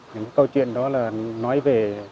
những câu chuyện đó là nói về